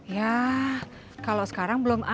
ya kalau sekarang belum ada